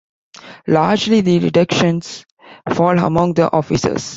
Largely, the reductions fall among the officers.